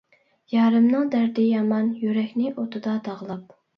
يارىمنىڭ دەردى يامان، يۈرەكنى ئوتىدا داغلاپ.